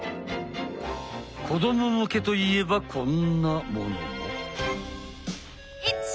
子ども向けといえばこんなものも。